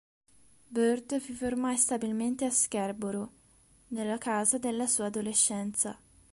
Bird vive ormai stabilmente a Scarborough, nella casa della sua adolescenza.